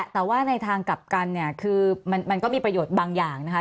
แต่ว่าในทางกลับกันเนี่ยคือมันก็มีประโยชน์บางอย่างนะคะ